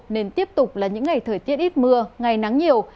nên tiếp tục là những ngày thời tiết ít mưa ngày nắng nhiều